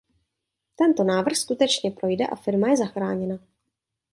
Tento návrh skutečně projde a firma je zachráněna.